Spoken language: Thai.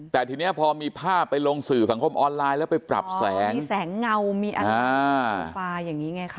แต่ทีนี้พอมีภาพไปลงสื่อสังคมออนไลน์แล้วไปปรับแสงมีแสงเงามีฟาอย่างนี้ไงคะ